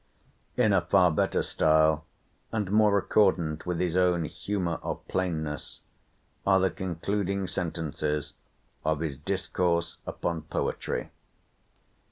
In a far better style, and more accordant with his own humour of plainness, are the concluding sentences of his "Discourse upon Poetry."